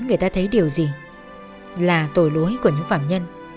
người ta thấy điều gì là tội lỗi của những phạm nhân